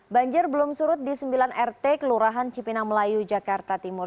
banjir belum surut di sembilan rt kelurahan cipinang melayu jakarta timur